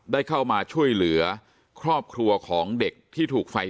ได้เข้ามาช่วยเหลือครอบครัวของเด็กที่ถูกไฟ